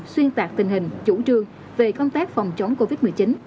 xuyên tạc tình hình chủ trương về công tác phòng chống covid một mươi chín